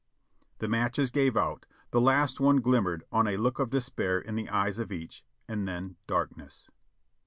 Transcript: The matches gave out, the last one glimmered on a look of despair in the eyes of each, and then darkness